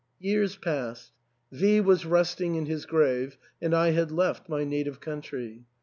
Years passed. V was resting in his grave, and I had left my native country.